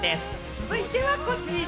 続いてはこちら。